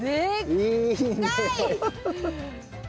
いいねえ。